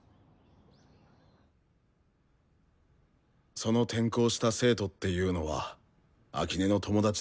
その転校した生徒っていうのは秋音の友達だったらしい。